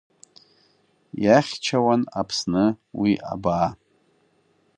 Иахьчауан Аԥсны уи абаа.